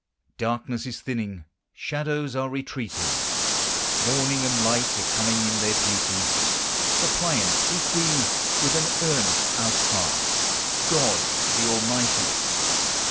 Darkness is thinning; shadows are retreating; Morning and light are coming in their beauty ; Suppliant seek we. with an earnest outcry, God the Almighty